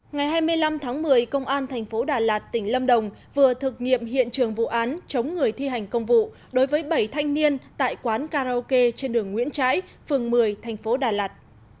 ngày hai mươi năm tháng một mươi công an thành phố đà lạt tỉnh lâm đồng vừa thực nghiệm hiện trường vụ án chống người thi hành công vụ đối với bảy thanh niên tại quán karaoke trên đường nguyễn trãi phường một mươi thành phố đà lạt